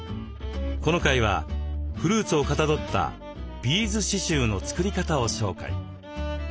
この回はフルーツをかたどったビーズ刺繍の作り方を紹介。